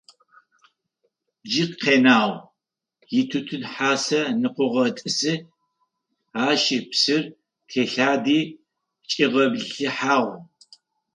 Джы къэнагъ: итутын хьасэ ныкъогъэтӀысы, ащи псыр телъади чӀигъэбылъыхьагъ.